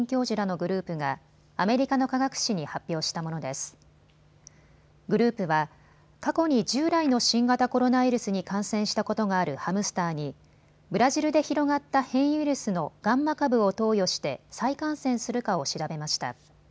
グループは、過去に従来の新型コロナウイルスに感染したことがあるハムスターにブラジルで広がった変異ウイルスのガンマ株を投与して再感染するかを調べました。